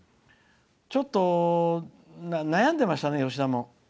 ちょっと悩んでましたね、吉田も。